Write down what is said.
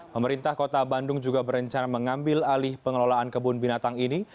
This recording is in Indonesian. pemerintah kota bandung juga berencana mengambil alih pengelolaan kebun binatang ini